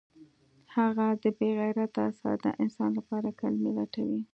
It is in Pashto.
هغه د بې غیرته ساده انسان لپاره کلمې لټولې